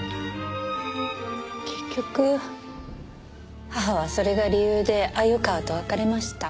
結局母はそれが理由で鮎川と別れました。